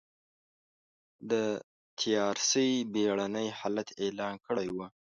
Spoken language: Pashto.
د تيارسۍ بېړنی حالت اعلان کړی و.